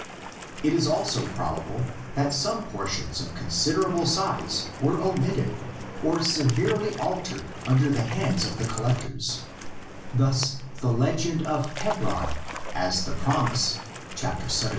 It is also probable that some portions of consider able size were omitted or severely altered under the hands of the collectors; thus the legend of Hebron, as the promise (xviii.